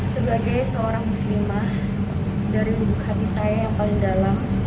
sebagai seorang muslimah dari bubuk hati saya yang paling dalam